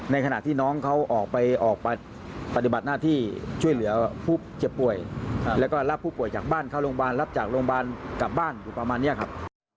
ขณะที่น้องเขาออกไปปฏิบัติหน้าที่ช่วยเหลือผู้เจ็บป่วยแล้วก็รับผู้ป่วยจากบ้านเข้าโรงพยาบาลรับจากโรงพยาบาลกลับบ้านอยู่ประมาณนี้ครับ